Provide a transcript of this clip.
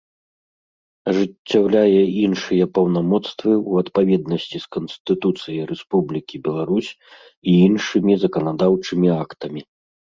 Ажыццяўляе iншыя паўнамоцтвы ў адпаведнасцi з Канстытуцыяй Рэспублiкi Беларусь i iншымi заканадаўчымi актамi.